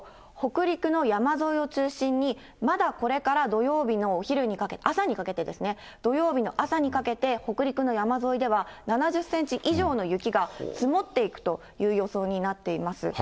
北陸の山沿いを中心に、まだこれから土曜日のお昼にかけて、朝にかけてですね、土曜日の朝にかけて、北陸の山沿いでは、７０センチ以上の雪が積もっていくという予想になっています。